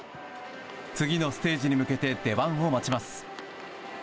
次のステージに向けて出番を待ちます。